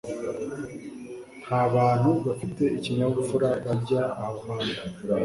nta bantu bafite ikinyabupfura bajya aho hantu